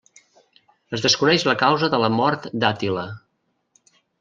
Es desconeix la causa de la mort d'Àtila.